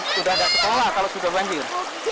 sudah ada sekolah kalau sudah banjir